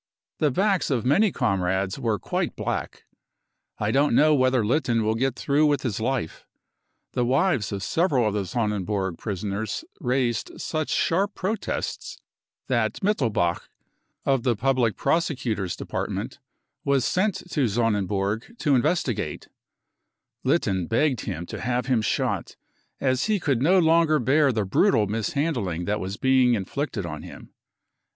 The backs of many comrades were quite black. I don't know whether Litten will get through with his life. The wives of several of the Sonnenburg prisoners raised such sharp protests that Mittelbaeh, of the public prosecutor's department, was sent to Sonnenburg to investigate ; Litten begged him to have him shot, as he could no longer bear the brutal mishandling that was being inflicted on him."